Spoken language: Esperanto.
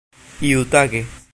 iutage